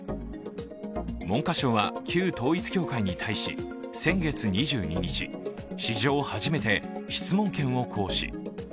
文科省は旧統一教会に対し先月２２日、史上初めて質問権を行使。